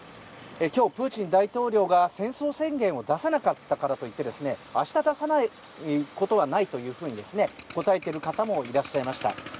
今日、プーチン大統領が戦争宣言を出さなかったからといって明日出さないことはないというふうに答えている方もいらっしゃいました。